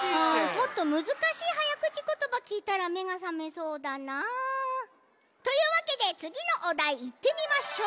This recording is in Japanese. もっとむずかしいはやくちことばきいたらめがさめそうだな。というわけでつぎのおだいいってみましょう！